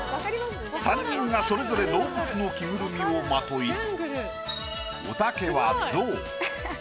３人がそれぞれ動物の着ぐるみをまといおたけは象。